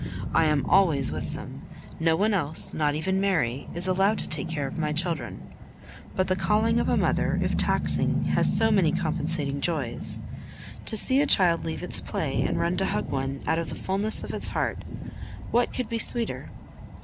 I am always with them; no one else, not even Mary, is allowed to take care of my children. But the calling of a mother, if taxing, has so many compensating joys! To see a child leave its play and run to hug one, out of the fulness of its heart, what could be sweeter?